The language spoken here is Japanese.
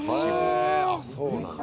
へえ、そうなんだ。